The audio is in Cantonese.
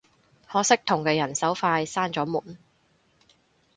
可惜同嘅人手快閂咗門